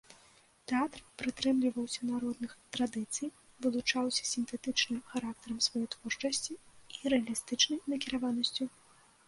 Тэатр прытрымліваўся народных традыцый, вылучаўся сінтэтычным характарам сваёй творчасці і рэалістычнай накіраванасцю.